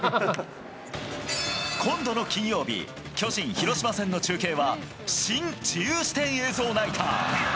今度の金曜日、巨人、広島戦の中継はシン・自由視点映像ナイター。